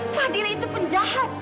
fadil itu penjahat